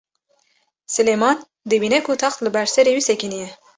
Silêman dibîne ku text li ber serê wî sekiniye.